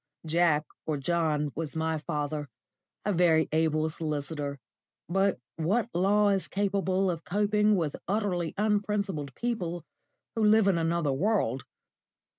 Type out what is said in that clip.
Jack, or John, was my father a very able solicitor; but what law is capable of coping with utterly unprincipled people who live in another world?